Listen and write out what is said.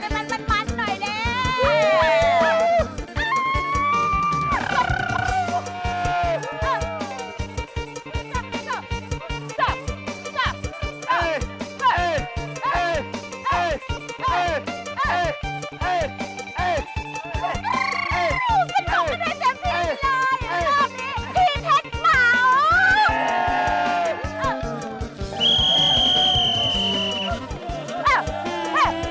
รอบนี้พี่เผชเป๋า